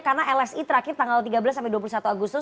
karena lsi terakhir tanggal tiga belas dua puluh satu agustus